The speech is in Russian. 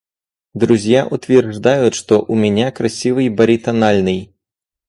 Друзья утверждают, что у меня красивый баритональный.